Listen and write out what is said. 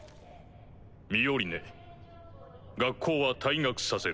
「ミオリネ学校は退学させる」。